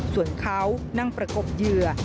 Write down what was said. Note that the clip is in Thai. ส่วนเขานั่งประกบเหยื่อ